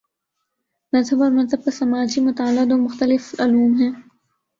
مذہب اور مذہب کا سماجی مطالعہ دو مختلف علوم ہیں۔